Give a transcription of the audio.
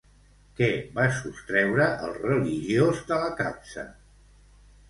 Què va sostreure el religiós de la capsa?